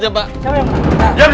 siapa yang menang